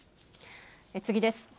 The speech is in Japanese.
次です。